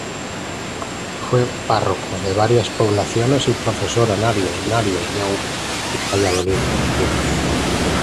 Fue párroco de varias poblaciones y profesor en los Seminarios de Ourense y Valladolid.